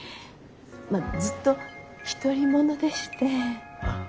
まっずっと独り者でして。